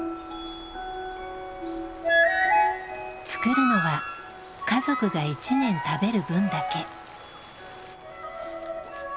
作るのは家族が一年食べる分だけ。